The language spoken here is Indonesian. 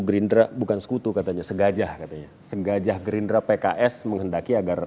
gerindra bukan sekutu katanya segajah katanya